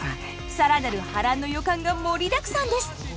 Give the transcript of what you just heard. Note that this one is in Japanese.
更なる波乱の予感が盛りだくさんです。